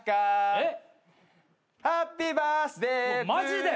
えっ？